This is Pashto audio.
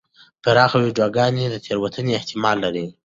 پراخه ویډیوګانې د تېروتنې احتمال لري.